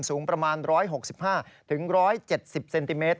สูงประมาณ๑๖๕๑๗๐เซนติเมตร